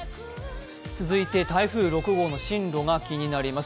続いて台風６号の進路が気になります。